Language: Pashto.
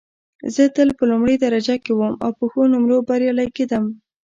زه تل په لومړۍ درجه کې وم او په ښو نومرو بریالۍ کېدم